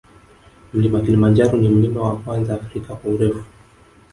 Mlima kilimanjaro ni mlima wa kwanza afrika kwa urefu